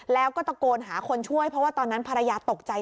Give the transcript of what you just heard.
แล้วก็ตะโกนหาคนช่วยเพราะว่าตอนนั้นภรรยาตกใจ